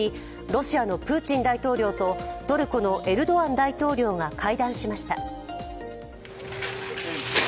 ロシアのプーチン大統領とトルコのエルドアン大統領が会談しました。